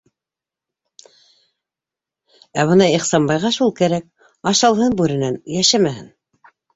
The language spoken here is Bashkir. Ә бына Ихсанбайға шул кәрәк: ашалһын бүренән, йәшәмәһен!